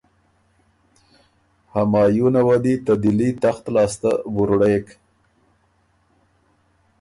همایونه وه دی ته دهلي تخت لاسته وُرړېک۔